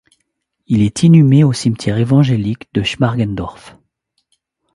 Il est inhumé au cimetière évangélique de Schmargendorf.